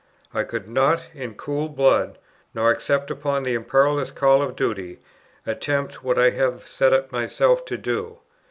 I could not in cool blood, nor except upon the imperious call of duty, attempt what I have set myself to do.